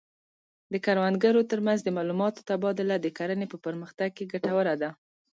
د کروندګرو ترمنځ د معلوماتو تبادله د کرنې په پرمختګ کې ګټوره ده.